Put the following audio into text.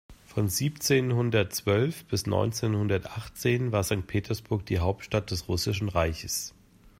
Von siebzehnhundertzwölf bis neunzehnhundertachtzehn war Sankt Petersburg die Hauptstadt des Russischen Reichs.